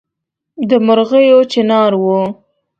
د مرغیو چڼهار وو